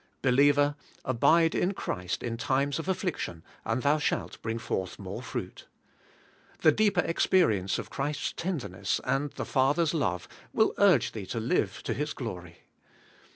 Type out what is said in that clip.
Believer! abide in Christ in times of affliction, and thou shalt bring forth more fruit. The deeper experience of Christ's tenderness and the Father's love will urge thee to live to His glory.